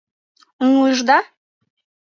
Ыҥлышда?..